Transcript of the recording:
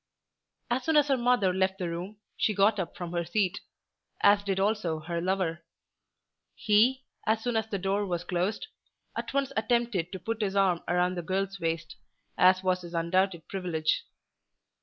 As soon as her mother left the room, she got up from her seat, as did also her lover. He, as soon as the door was closed, at once attempted to put his arm round the girl's waist, as was his undoubted privilege.